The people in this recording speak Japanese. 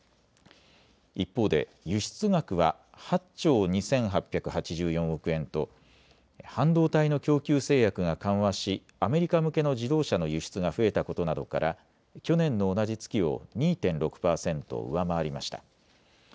一方で輸出額は８兆２８８４億円と半導体の供給制約が緩和しアメリカ向けの自動車の輸出が増えたことなどから去年の同じ月を２．６％上回りました。